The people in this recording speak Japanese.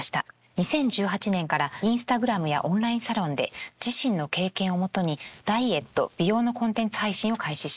２０１８年からインスタグラムやオンラインサロンで自身の経験を基にダイエット美容のコンテンツ配信を開始します。